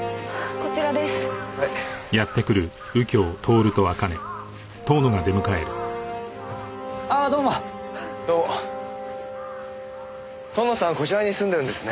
こちらに住んでるんですね。